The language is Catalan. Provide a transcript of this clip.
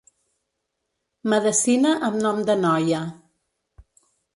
Medecina amb nom de noia.